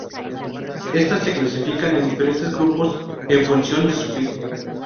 Estas se clasifican en diferentes grupos en función de su fin.